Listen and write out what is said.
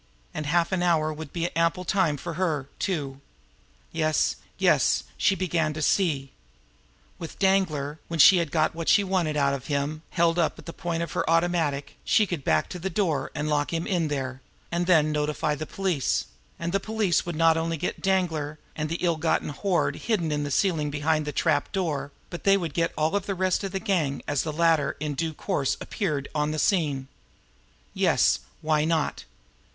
And half an hour would be ample time for her, too! Yes, yes, she began to see! With Danglar, when she had got what she wanted out of him herself, held up at the point of her automatic, she could back to the door and lock him in there and notify the police and the police would not only get Danglar and the ill gotten hoard hidden in the ceiling behind that trap door, but they would get all the rest of the gang as the latter in due course appeared on the scene. Yes, why not?